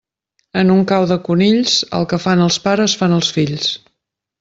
En un cau de conills, el que fan els pares fan els fills.